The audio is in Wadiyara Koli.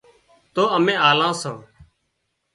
تو امين آلان سان